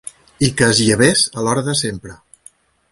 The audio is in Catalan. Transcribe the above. I que es llevés a l'hora de sempre